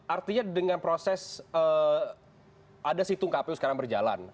artinya dengan proses ada situng kpu sekarang berjalan